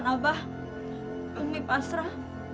saya akan meminta maaf